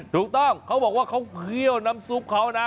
ถูกต้องเขาบอกว่าเขาเคี่ยวน้ำซุปเขานะ